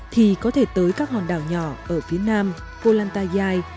thì có thể tới các hòn đảo nhỏ ở phía nam koh lanta yai